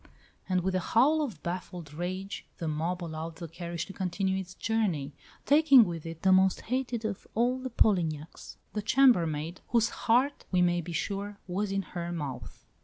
And with a howl of baffled rage the mob allowed the carriage to continue its journey, taking with it the most hated of all the Polignacs, the chambermaid, whose heart, we may be sure, was in her mouth!